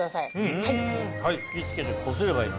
はい。